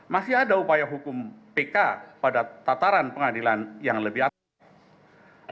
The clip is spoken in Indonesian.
masih ada upaya hukum pk pada tataran pengadilan yang lebih aktif